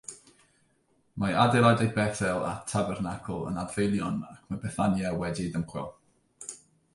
Mae adeiladau Bethel a Tabernacl yn adfeilion ac mae Bethania wedi'i dymchwel.